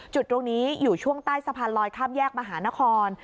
จุดตรงนี้อยู่ช่วงใต้สะพานลอยข้ามแยกมหานคร